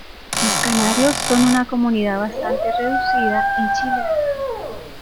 Los canarios son una comunidad bastante reducida en Chile.